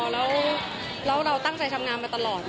แล้วเราตั้งใจทำงานมาตลอด